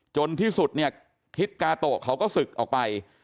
จนที่สุดเนี่ยทิศกาโตะเขาก็ศึกออกไป